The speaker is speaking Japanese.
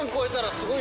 すごい。